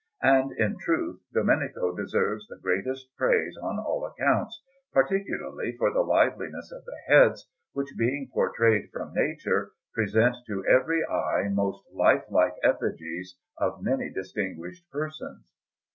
And in truth Domenico deserves the greatest praise on all accounts, particularly for the liveliness of the heads, which, being portrayed from nature, present to every eye most lifelike effigies of many distinguished persons.